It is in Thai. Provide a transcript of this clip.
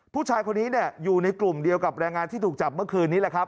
ผู้ชายคนนี้อยู่ในกลุ่มเดียวกับแรงงานที่ถูกจับเมื่อคืนนี้แหละครับ